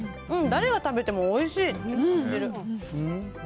うん、誰が食べてもおいしい。